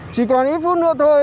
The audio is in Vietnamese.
chỉ còn ít phút nữa thôi